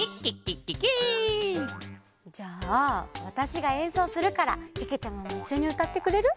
じゃあわたしがえんそうするからけけちゃまもいっしょにうたってくれる？